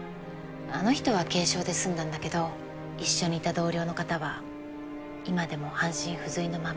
あの人は軽傷で済んだんだけど一緒にいた同僚の方は今でも半身不随のまま。